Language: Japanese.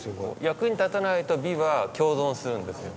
「役に立たない」と美は共存するんですよ。